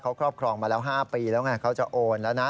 เขาครอบครองมาแล้ว๕ปีแล้วไงเขาจะโอนแล้วนะ